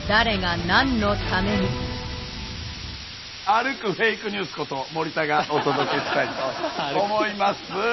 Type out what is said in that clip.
歩くフェイクニュースこと森田がお届けしたいと思います。